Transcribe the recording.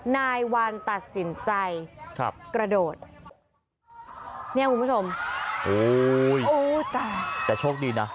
นายวันตัดสินใจกระโดดนี่ครับคุณผู้ชมโอ๊ยแต่โชคดีนะ